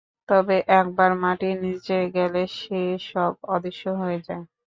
তবে একবার মাটির নীচে গেলে সে সব অদৃশ্য হয়ে যায়।